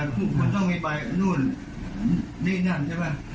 คุณต้องมีใบนู่นนี่นั่นใช่ไหม